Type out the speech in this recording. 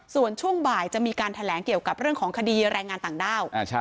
ส่วนช่วงบ่ายจะมีการแถลงเกี่ยวกับเรื่องของคดีแรงงานต่างด้าว